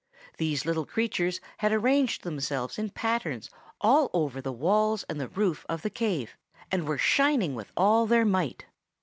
These little creatures had arranged themselves in patterns all over the walls and roof of the cave, and were shining with all their might.